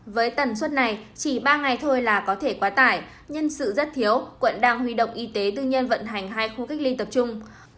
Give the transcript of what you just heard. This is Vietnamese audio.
với tần suất này chỉ ba ngày thôi là có thể quá tải nhân sự rất thiếu quận đang huy động y tế tư nhân vận hành hai khu cách ly tập trung